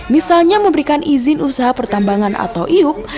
misalnya memberikan izin usaha pertambangan atau iup